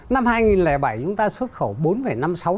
năm hai nghìn bảy chúng ta xuất khẩu